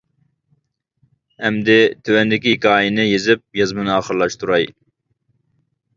ئەمدى تۆۋەندىكى ھېكايىنى يېزىپ يازمىنى ئاخىرلاشتۇراي.